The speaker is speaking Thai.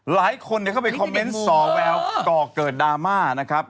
หลายคนเข้าไปคอมเมนต์สอแววก่อเกิดดราม่านะครับ